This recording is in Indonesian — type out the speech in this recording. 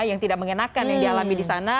yang tidak mengenakan yang dialami di sana